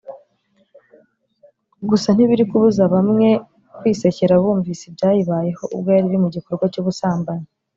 gusa ntibiri kubuza bamwe kwisekera bumvise ibyayibayeho ubwo yari iri mu gikorwa cy’ubusambanyi